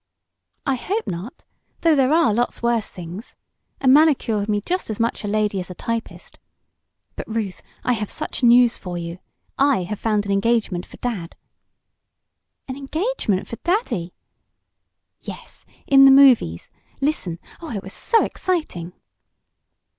"I hope not, though there are lots worse things. A manicure can be just as much a lady as a typist. But, Ruth, I have such news for you! I have found an engagement for dad!" "An engagement for daddy?" "Yes. In the movies! Listen. Oh, it was so exciting!"